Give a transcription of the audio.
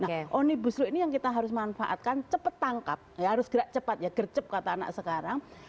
nah omnibus law ini yang kita harus manfaatkan cepat tangkap ya harus gerak cepat ya gercep kata anak sekarang